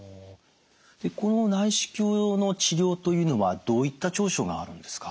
この内視鏡の治療というのはどういった長所があるんですか？